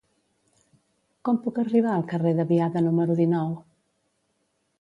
Com puc arribar al carrer de Biada número dinou?